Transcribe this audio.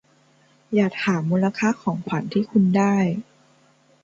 อย่าถามมูลค่าของขวัญที่คุณได้